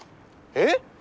えっ！？